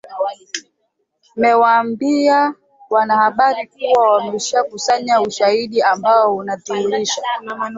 mewaambia wanahabari kuwa ameshakusanya ushahidi ambao unadhihirisha